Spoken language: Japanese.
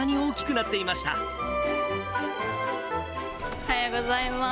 おはようございます。